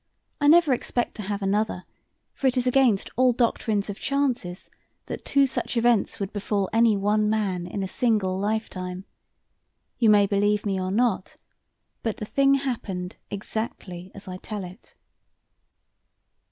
I never expect to have another, for it is against all doctrines of chances that two such events would befall any one man in a single lifetime. You may believe me or not, but the thing happened exactly as I tell it.